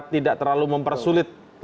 tidak terlalu mempersulit